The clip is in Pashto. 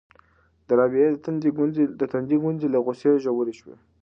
د رابعې د تندي ګونځې له غوسې ژورې شوې.